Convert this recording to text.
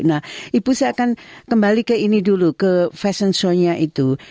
nah ibu saya akan kembali ke ini dulu ke fashion show nya itu